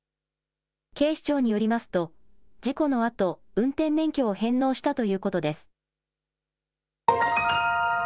警視庁によりますと事故のあと、運転免許を返納したということです。